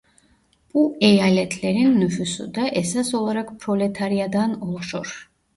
Bu eyaletlerin nüfusu da esas olarak Proletarya'dan oluşur.